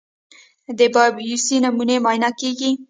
د بایوپسي نمونې معاینه کېږي.